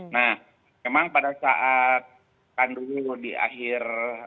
nah memang pada saat pandu di akhir